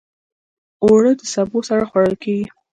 اوړه د سبو سره خوړل کېږي